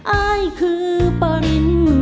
อายคือปริญญา